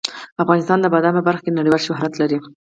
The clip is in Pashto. افغانستان د بادام په برخه کې نړیوال شهرت لري.